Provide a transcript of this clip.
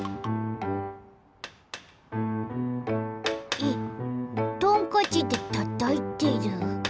えっトンカチでたたいてる。